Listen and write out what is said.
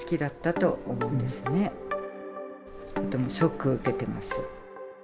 とてもショックを受けてます。